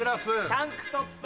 タンクトップ。